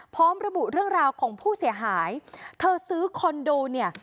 พร้อมระบุเรื่องราวของผู้เสียหายเธอซื้อคอนโดเนี่ย